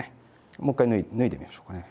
もう一回脱いでみましょうかね。